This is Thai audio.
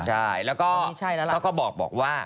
ใช่แล้วก็เขาก็บอกว่า